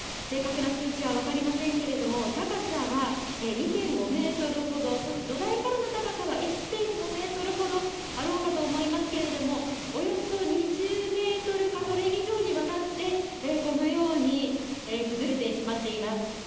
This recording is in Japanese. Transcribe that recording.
正確な数値は分かりませんけれども、高さは２．５メートルほど、土台からの高さは１．５メートルほどあろうかと思いますけれども、およそ２０メートルか、それ以上にわたって、このように崩れてしまっています。